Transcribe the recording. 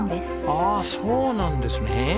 ああそうなんですね。